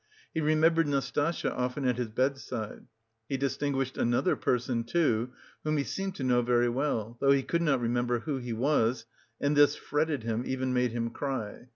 He remembered Nastasya often at his bedside; he distinguished another person, too, whom he seemed to know very well, though he could not remember who he was, and this fretted him, even made him cry.